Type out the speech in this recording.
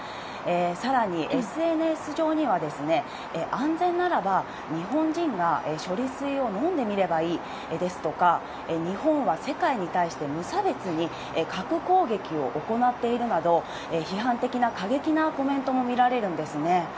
さらにＳＮＳ上には、安全ならば日本人が処理水を飲んでみればいいですとか、日本は世界に対して無差別に核攻撃を行っているなど、批判的な過激なコメントも見られるんですね。